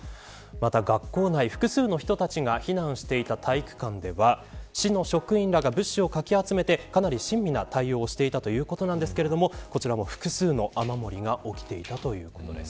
また、学校内、複数の人たちが避難していた体育館では市の職員らが物資をかき集めてかなり親身な対応をしていたということなんですがこちらも、複数の雨漏りが起きていたということです。